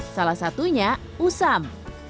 salah satunya usam